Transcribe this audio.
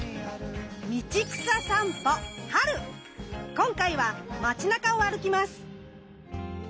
今回は街中を歩きます。